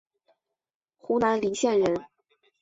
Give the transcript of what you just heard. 湖南澧县人。